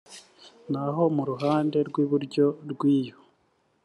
naho mu ruhande rw iburyo rw iyo